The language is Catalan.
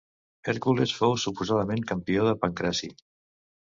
Hèrcules fou suposadament campió de pancraci.